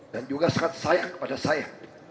dan juga sangat sayang kepada saya